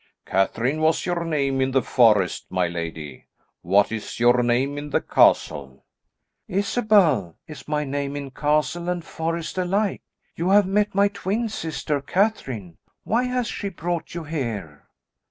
"Catherine was your name in the forest, my lady, what is your name in the castle?" "Isabel is my name in castle and forest alike. You have met my twin sister, Catherine. Why has she brought you here?"